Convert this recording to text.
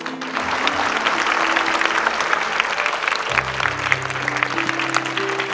และตอนนี้นะครับนักสู้ชีวิตคนนั้นก็รอพร้อมอยู่แล้วทางด้านหลังนะครับ